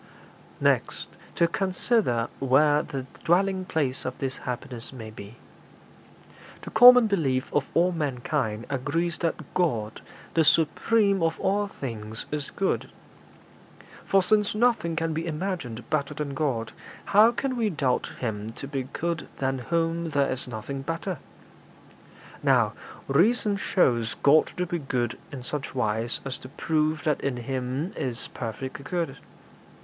'Next to consider where the dwelling place of this happiness may be. The common belief of all mankind agrees that God, the supreme of all things, is good. For since nothing can be imagined better than God, how can we doubt Him to be good than whom there is nothing better? Now, reason shows God to be good in such wise as to prove that in Him is perfect good.